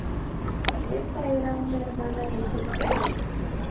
Berta era una hermana de Gertrudis.